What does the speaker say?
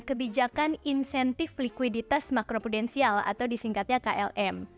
kebijakan insentif liquiditas makroprudensial atau disingkatnya klm